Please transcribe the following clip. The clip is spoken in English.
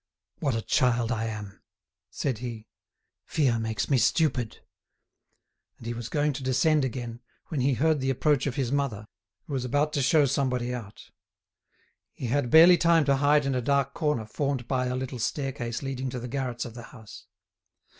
"What a child I am," said he, "fear makes me stupid." And he was going to descend again, when he heard the approach of his mother, who was about to show somebody out. He had barely time to hide in a dark corner formed by a little staircase leading to the garrets of the house.